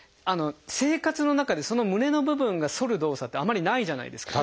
生活の中でその胸の部分が反る動作ってあまりないじゃないですか。